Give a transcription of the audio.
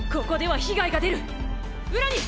ここでは被害が出る。